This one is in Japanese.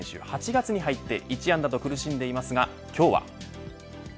８月に入って１安打と苦しんでいますが今日は。